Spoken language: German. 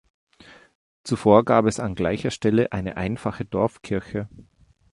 Zuvor gab es an gleicher Stelle eine einfache Dorfkirche.